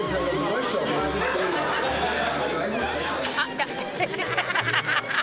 ハハハハ！